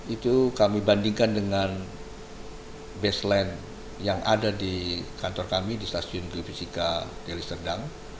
itu kami bandingkan dengan baseline yang ada di kantor kami di stasiun geofisika deli serdang